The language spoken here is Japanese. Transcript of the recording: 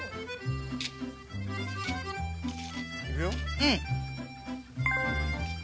うん。